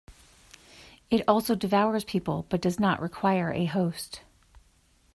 It also devours people, but does not require a host.